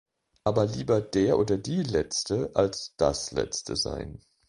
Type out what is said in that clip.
Aber lieber der oder die Letzte als das Letzte sein.